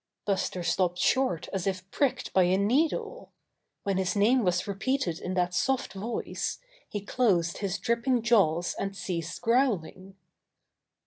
Buster stopped short as if pricked by a needle. When his name was repeated in that soft voice, he closed his dripping jaws and ceased growling.